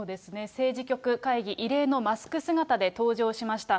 政治局会議、異例のマスク姿で登場しました。